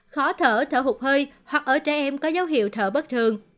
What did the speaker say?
khó thở thở hụt hơi hoặc ở trẻ em có dấu hiệu thở bất thường